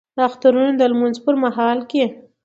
د اخترونو د لمونځ په مهال کې